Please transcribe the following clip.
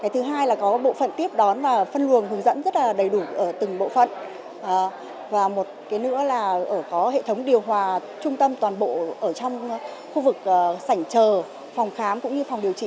thứ hai là có bộ phận tiếp đón và phân luồng hướng dẫn rất đầy đủ ở từng bộ phận và một cái nữa là có hệ thống điều hòa trung tâm toàn bộ ở trong khu vực sảnh trờ phòng khám cũng như phòng điều trị